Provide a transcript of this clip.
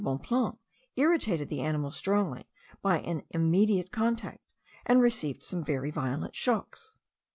Bonpland irritated the animal strongly by an immediate contact, and received some very violent shocks.